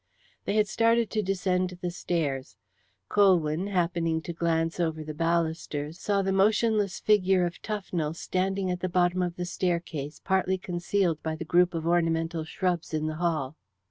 They had started to descend the stairs. Colwyn, happening to glance over the balusters, saw the motionless figure of Tufnell standing at the bottom of the staircase partly concealed by the group of ornamental shrubs in the hall.